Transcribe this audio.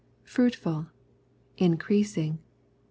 . fruitful ... increasing